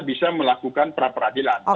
bisa melakukan peradilan